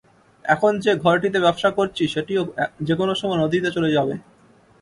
এখন যে ঘরটিতে ব্যবসা করছি, সেটিও যেকোনো সময় নদীতে চলে যাবে।